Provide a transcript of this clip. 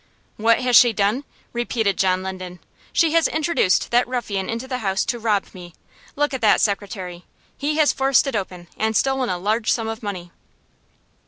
"What has she done?" repeated John Linden. "She has introduced that young ruffian into the house to rob me. Look at that secretary! He has forced it open, and stolen a large sum of money."